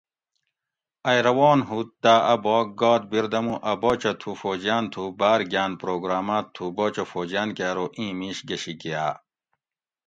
ائ روان ہوت داۤ اۤ باگ گات بیردمو اۤ باچہ تھو فوجیان تھو باۤر گاۤن پروگرامات تھو باچہ فوجیان کہۤ ارو ایں میش گشی گاۤ